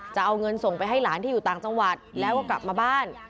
จะเอาเงินส่งไปให้หลานที่อยู่ต่างจังหวัดแล้วก็กลับมาบ้าน